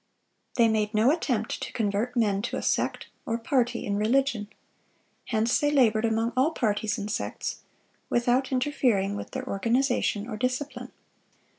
"They made no attempt to convert men to a sect or party in religion. Hence they labored among all parties and sects, without interfering with their organization or discipline."